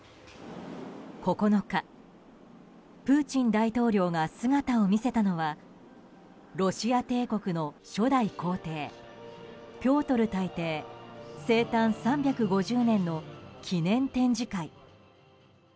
９日、プーチン大統領が姿を見せたのはロシア帝国の初代皇帝ピョートル大帝生誕３５０年の記念展示会。